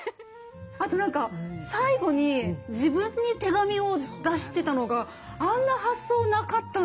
あと何か最後に自分に手紙を出してたのがあんな発想なかったんで。